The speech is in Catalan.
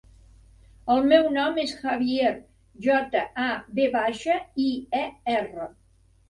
El meu nom és Javier: jota, a, ve baixa, i, e, erra.